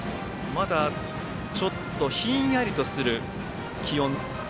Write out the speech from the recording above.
まだちょっとひんやりとする気温。